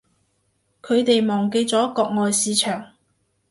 佢哋忘記咗國外市場